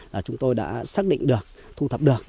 là chúng tôi đã xác định được thu thập được